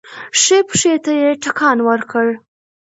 ښی پښې ته يې ټکان ورکړ.